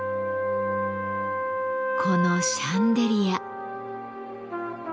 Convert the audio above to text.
このシャンデリア。